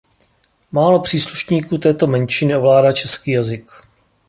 Málo příslušníků této menšiny ovládá český jazyk.